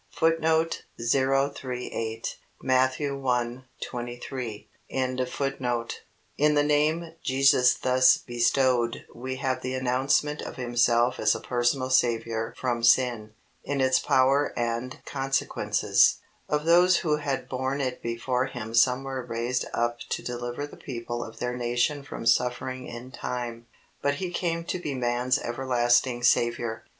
" In the name Jesus thus bestowed we have the announcement of Himself as a personal Saviour from sin, in its power and consequences. Of those who had borne it before Him some were raised up to deliver the people of their nation from suffering in time, but He came to be man's everlasting Saviour.